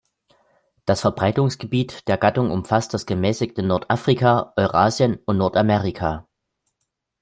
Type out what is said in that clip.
Das Verbreitungsgebiet der Gattung umfasst das gemäßigte Nordafrika, Eurasien und Nordamerika.